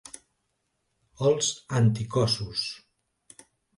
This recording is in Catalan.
Els anticossos.